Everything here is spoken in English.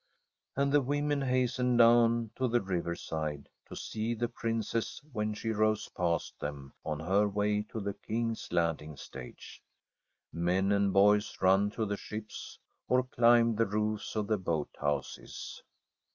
And the women hasten down to the riverside to see the Princess when she rows past them on her way to the King's Landing Stage. Men and [ 200] ASTRID boys run to the ships, or climb the roofs of the boathouses.